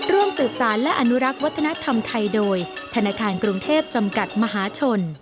ร่วมสืบสารและอนุรักษ์วัฒนธรรมไทยโดยธนาคารกรุงเทพจำกัดมหาชน